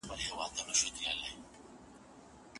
کندهارۍ سترگې دې د هند د حورو ملا ماتوي